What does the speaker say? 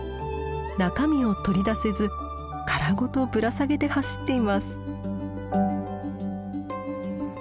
中身を取り出せず殻ごとぶら下げて走っています。